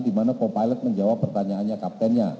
di mana co pilot menjawab pertanyaannya kaptennya